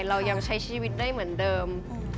เรายังใช้ชีวิตได้เหมือนเดิม